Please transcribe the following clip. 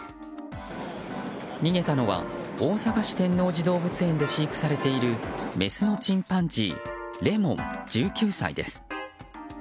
逃げたのは大阪市天王寺動物園で飼育されているメスのチンパンジーレモン、１９歳です。